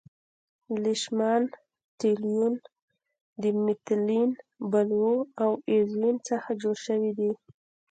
لیشمان تلوین د میتیلین بلو او اییوزین څخه جوړ شوی دی.